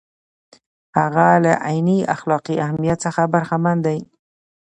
هغه له عیني اخلاقي اهمیت څخه برخمن دی.